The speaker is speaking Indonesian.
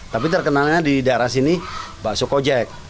tapi terkenalnya di daerah sini bakso kojek